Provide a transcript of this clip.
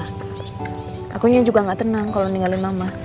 takutnya juga gak tenang kalo ninggalin mama